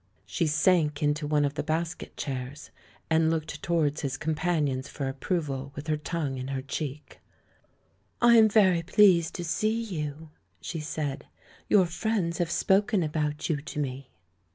She sank into one of the basket chairs, and looked towards his companions for approval, with her tongue in her cheek. "I am very pleased to see you," she said; "your friends have spoken about you to me."